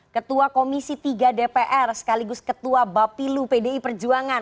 ketua komisi tiga dpr sekaligus ketua bapilu pdi perjuangan